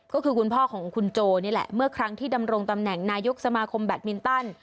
ก็คือคุณพ่อของคุณโจนี่แหละเมื่อครั้งที่ดำรงตำแหน่งนายกสมาคมแบตมินตัน